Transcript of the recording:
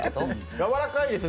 やわらかいですね